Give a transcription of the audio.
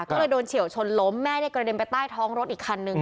ก็เลยโดนเฉียวชนล้มแม่กระเด็นไปใต้ท้องรถอีกคันนึง